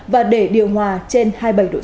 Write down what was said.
và để điều hòa trên hai mươi bảy độ c